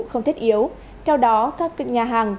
không thiết yếu theo đó các nhà hàng